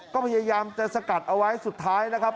ก็พยายามจะสกัดเอาไว้สุดท้ายนะครับ